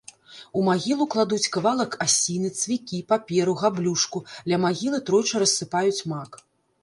У магілу кладуць кавалак асіны, цвікі, паперу, габлюшку, ля магілы тройчы рассыпаюць мак.